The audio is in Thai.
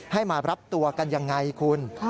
ให้มารับตัวกันยังไงคุณ